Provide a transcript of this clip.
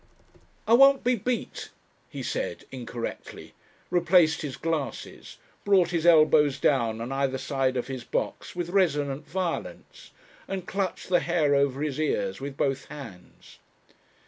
"I won't be beat," he said incorrectly replaced his glasses, brought his elbows down on either side of his box with resonant violence, and clutched the hair over his ears with both hands....